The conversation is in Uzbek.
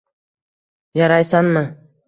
Yaraysanmi